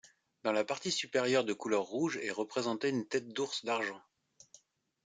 Dans la partie supérieure de couleur rouge est représentée une tête d'ours d'argent.